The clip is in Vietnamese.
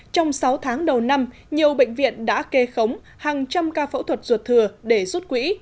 trong sáu tháng đầu năm nhiều bệnh viện đã kê khống hàng trăm ca phẫu thuật ruột thừa để rút quỹ